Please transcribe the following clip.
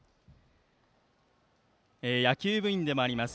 野球部員でもあります